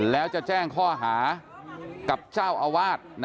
แล้วจะแจ้งข้อหากับเจ้าอาวาส